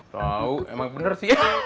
tau emang bener sih